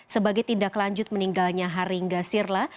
sebagai tindak lanjut meninggalnya haringga sirla